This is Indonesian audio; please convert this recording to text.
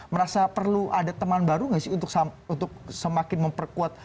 merasa perlu ada teman baru nggak sih untuk semakin memperkuat